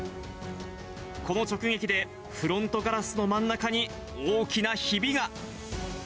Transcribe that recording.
この直撃で、フロントガラスの真ん中に大きなひびが。